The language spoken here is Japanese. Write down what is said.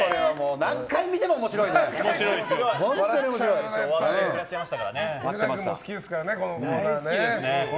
何回見ても面白いね、これ。